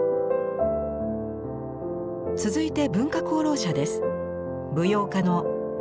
続いて文化功労者です。